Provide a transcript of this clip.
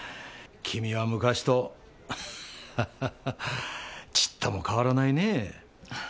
君は昔とちっとも変わらないねぇ。